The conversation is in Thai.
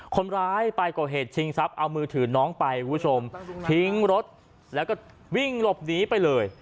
คนร้ายไปก่อเหตุชิงทรัพย์เอามือถือน้องไปคุณผู้ชมทิ้งรถแล้วก็วิ่งหลบหนีไปเลย